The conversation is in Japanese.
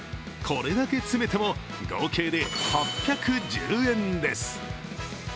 これだけ詰めても合計で８１０円です。